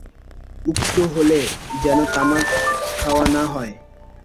উক্ত হলে যেন তামাক খাওয়া না হয়।